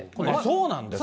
そうなんですか？